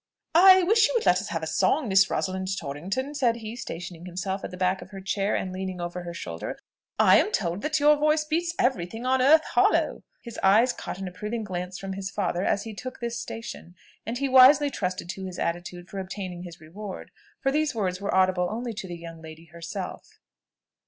"I wish you would let us have a song, Miss Rosalind Torrington," said he, stationing himself at the back of her chair and leaning over her shoulder. "I am told that your voice beats every thing on earth hollow." His eye caught an approving glance from his father as he took this station, and he wisely trusted to his attitude for obtaining his reward, for these words were audible only to the young lady herself.